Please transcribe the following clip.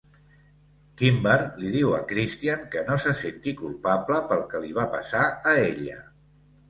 Kimber li diu a Christian que no se senti culpable pel que li va passar a ella.